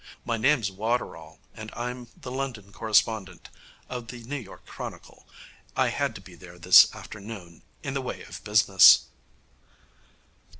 My name's Waterall, and I'm the London correspondent of the New York Chronicle. I had to be there this afternoon in the way of business.'